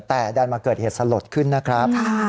แต่ดันมาเกิดเหตุสลดขึ้นนะครับ